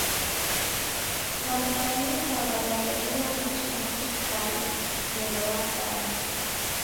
W'andu wa nyika wadaredelwa machi ni sirikali ngelo ya kwari